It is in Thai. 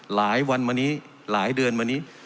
หลายวันมานี้หลายเดือนมานี้